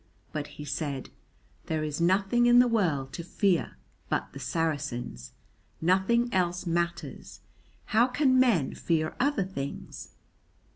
But he said, "There is nothing in the world to fear but the Saracens. Nothing else matters. How can men fear other things?"